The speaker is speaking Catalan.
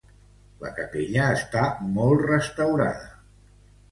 La capella està molt restaurada.